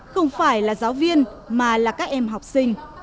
không phải là giáo viên mà là các em học sinh